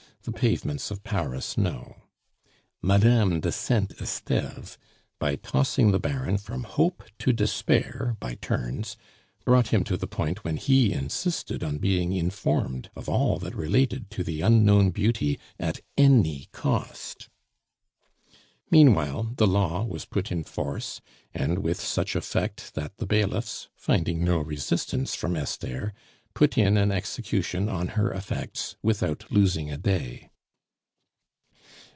the pavements of Paris know. Madame de Saint Esteve, by tossing the Baron from hope to despair by turns, brought him to the point when he insisted on being informed of all that related to the unknown beauty at ANY COST. Meanwhile, the law was put in force, and with such effect that the bailiffs, finding no resistance from Esther, put in an execution on her effects without losing a day.